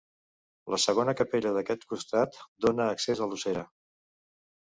La segona capella d'aquest costat dóna accés a l'ossera.